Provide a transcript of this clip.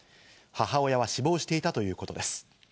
母親は死亡していたということです。